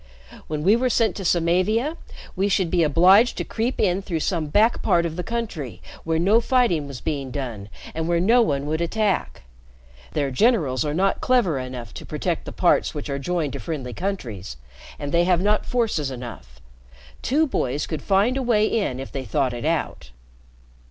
When we were sent to Samavia, we should be obliged to creep in through some back part of the country where no fighting was being done and where no one would attack. Their generals are not clever enough to protect the parts which are joined to friendly countries, and they have not forces enough. Two boys could find a way in if they thought it out."